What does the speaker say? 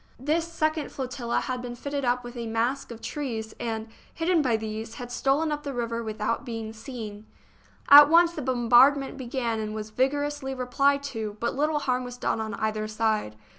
This second flotilla had been fitted up with a mask of trees and, hidden by these, had stolen up the river without being seen. THE SIEGE OF VICKSBURG At once the bombardment began and was vigor ously replied to, but little harm was done on either side.